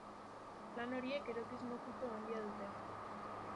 Lan horiek erotismo kutsu handia dute.